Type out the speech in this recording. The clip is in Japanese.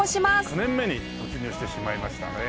９年目に突入してしまいましたね。